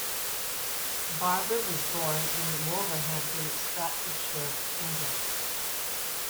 Barber was born in Wolverhampton, Staffordshire, England.